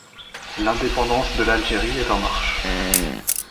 L'indépendance de l'Algérie est en marche.